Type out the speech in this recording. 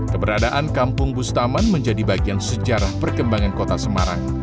keberadaan kampung bustaman menjadi bagian sejarah perkembangan kota semarang